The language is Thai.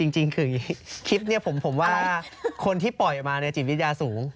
จริงคือคลิปนี้ผมว่าคนที่ปล่อยออกมาในจิตวิทยาสูง